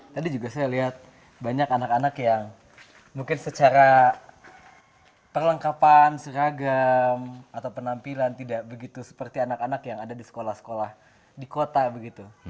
tadi juga saya lihat banyak anak anak yang mungkin secara perlengkapan seragam atau penampilan tidak begitu seperti anak anak yang ada di sekolah sekolah di kota begitu